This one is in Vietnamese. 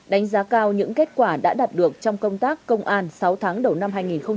đánh giá cao những kết quả đã đạt được trong công tác công an sáu tháng đầu năm hai nghìn hai mươi ba